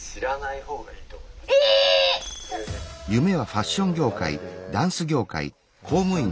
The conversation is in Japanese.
「ファッション業界」「ダンス業界」「公務員」。